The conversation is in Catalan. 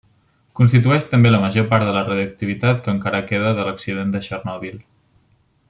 Constitueix també la major part de la radioactivitat que encara queda de l'accident de Txernòbil.